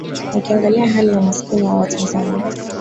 na ukiangalia hali ya umaskini wa watanzania